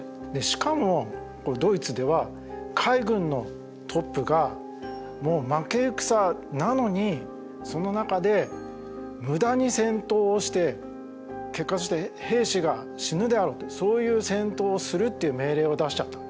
しかもドイツでは海軍のトップがもう負け戦なのにその中で無駄に戦闘をして結果として兵士が死ぬであろうってそういう戦闘をするっていう命令を出しちゃった。